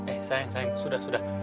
eh sayang sayang sudah sudah